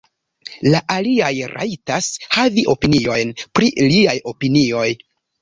La aliaj rajtas havi opiniojn pri liaj opinioj.